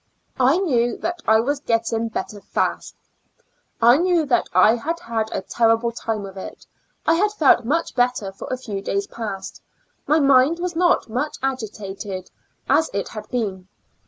I knew that I was getting better fast ; I knew tha. I had had a terrible time of it ; I had felt much better for a few days past ; my mind was not as much agitated as it had been.